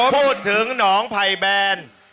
พูดถึงหนองไภแบรนด์